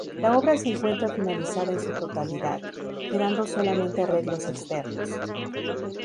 La obra se encuentra finalizada en su totalidad, quedando solamente arreglos externos.